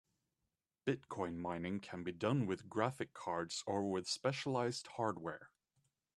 Bitcoin mining can be done with graphic cards or with specialized hardware.